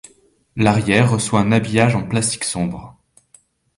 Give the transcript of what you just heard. L'arrière reçoit un habillage en plastique sombre.